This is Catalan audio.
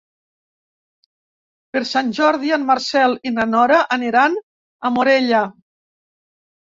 Per Sant Jordi en Marcel i na Nora aniran a Morella.